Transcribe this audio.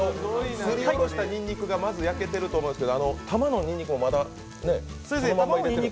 すりおろしたにんにくがまず焼けてると思うんですけど、玉のにんにくもそのまんま？